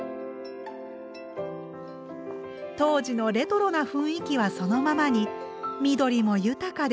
当時のレトロな雰囲気はそのままに緑も豊かで気持ちいいですね。